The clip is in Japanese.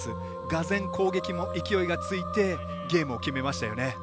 がぜん、攻撃の勢いがついてゲームを決めましたよね。